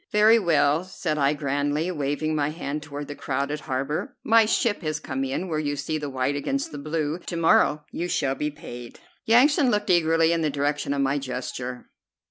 "Very well," said I grandly, waving my hand toward the crowded harbor, "my ship has come in where you see the white against the blue. To morrow you shall be paid." Yansan looked eagerly in the direction of my gesture.